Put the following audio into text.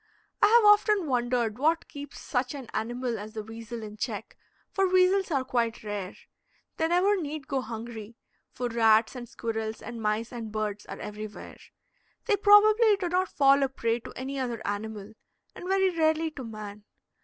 I have often wondered what keeps such an animal as the weasel in check, for weasels are quite rare. They never need go hungry, for rats and squirrels and mice and birds are everywhere. They probably do not fall a prey to any other animal, and very rarely to man.